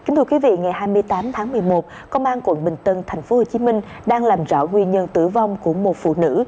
ngày hai mươi tám một mươi một công an quận bình tân tp hcm đang làm rõ nguyên nhân tử vong của một phụ nữ